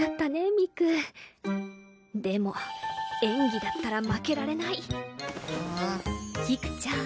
三玖でも演技だったら負けられない菊ちゃん